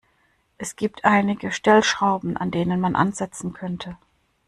Es gibt einige Stellschrauben, an denen man ansetzen könnte.